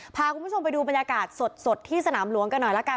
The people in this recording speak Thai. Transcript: พาคุณผู้ชมไปดูบรรยากาศสดที่สนามหลวงกันหน่อยละกัน